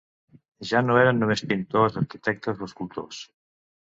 Ja no eren només pintors, arquitectes o escultors.